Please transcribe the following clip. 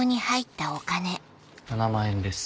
７万円です。